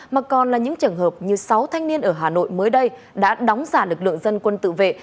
mà còn là những trường hợp như sáu thanh niên ở hà nội mới đây đã đóng giả lực lượng dân quân tự vệ